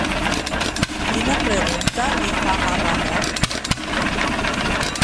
Quina pregunta li fa a Ramon?